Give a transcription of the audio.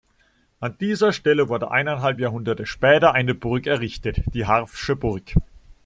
An dieser Stelle wurde eineinhalb Jahrhunderte später eine Burg errichtet, die Harff’sche Burg.